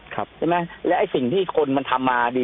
เสบนสิ่งที่คนว่าทำมาดี